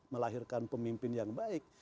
melahirkan pemimpin yang baik